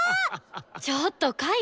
ちょっとかよ